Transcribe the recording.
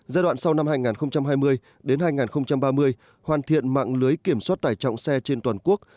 giai đoạn sau năm hai nghìn hai mươi hai nghìn ba mươi hoàn thiện mạng lưới kiểm soát tải trọng xe trên toàn quốc